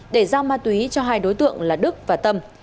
để giao ma túy cho hai đối tượng là đức và tâm